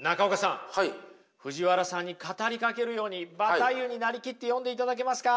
中岡さん藤原さんに語りかけるようにバタイユになりきって読んでいただけますか。